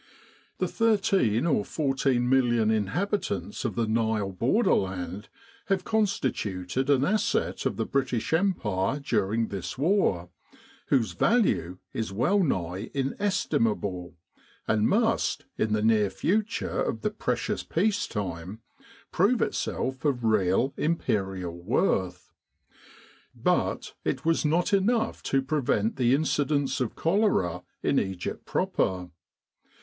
The thirteen or fourteen million inhabitants of the Nile borderland have constituted an asset of the British Empire during this war, whose value is well nigh inestimable, and must, in the near future of the precious Peace Time, prove itself of real Imperial worth. ,But it was not enough to prevent the incidence of cholera in Egypt proper.